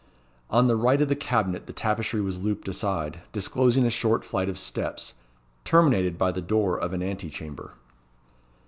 On the right of the cabinet the tapestry was looped aside, disclosing a short flight of steps, terminated by the door of an anti chamber.